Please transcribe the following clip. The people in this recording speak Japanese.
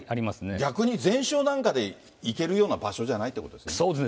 逆に全勝なんかで行けるような場所じゃないということですね。